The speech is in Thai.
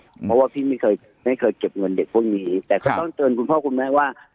เพราะว่าพี่ไม่เคยไม่เคยเก็บเงินเด็กพวกนี้แต่ก็ต้องเตือนคุณพ่อคุณแม่ว่า